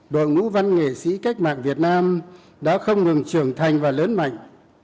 đội ngũ văn nghệ sĩ cách mạng việt nam đã không ngừng trưởng thành và lớn mạnh